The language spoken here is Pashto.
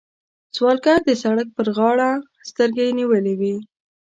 سوالګر د سړک پر غاړه سترګې نیولې وي